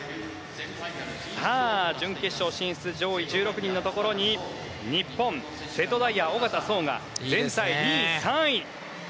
さあ、準決勝進出の上位１６人のところに日本の瀬戸大也、小方颯が全体の２位、３位です。